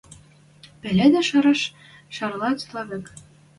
Пеледӹш ӓршӓш шӓрлӓ цилӓ век.